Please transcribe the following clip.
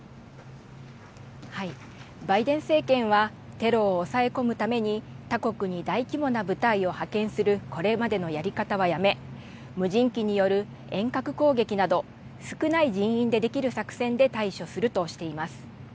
バイデン政権は、テロを抑え込むために、他国に大規模な部隊を派遣するこれまでのやり方はやめ、無人機による遠隔攻撃など、少ない人員でできる作戦で対処するとしています。